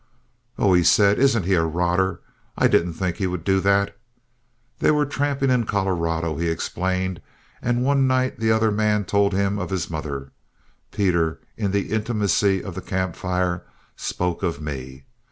"Oh," he said, "isn't he a rotter? I didn't think he would do that." They were tramping in Colorado, he explained, and one night the other man told him of his mother. Peter, in the intimacy of the camp fire, spoke of me.